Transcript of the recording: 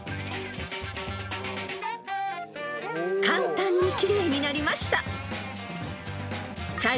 ［簡単に奇麗になりました］